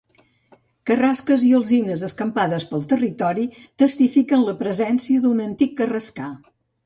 Carrasques i alzines escampades pel territori testifiquen la presència d'un antic carrascar.